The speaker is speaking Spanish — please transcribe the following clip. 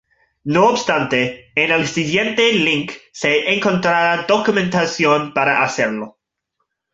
No obstante, en el siguiente link se encontrará documentación para hacerlo.